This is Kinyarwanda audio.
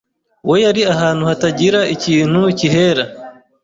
We yari ahantu hatagira ikintu kihera,